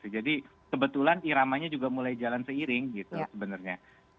jadi kebetulan iramanya juga mulai jalan seiring gitu sebenarnya